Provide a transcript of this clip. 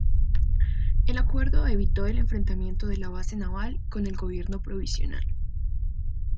El acuerdo evitó el enfrentamiento de la base naval con el Gobierno provisional.